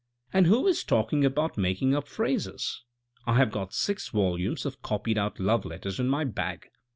" And who is talking about making up phrases ? I have got six volumes of copied out love letters in my bag.